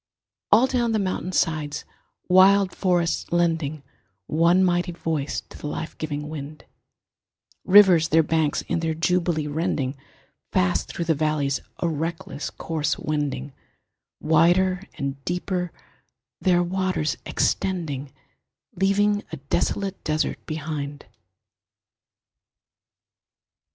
All down the mountain sides wild forests lending One mighty voice to the life giving wind, Rivers their banks in their jubilee rending, Fast through the valleys a reckless course wending, Wider and deeper their waters extending, Leaving a desolate desert behind.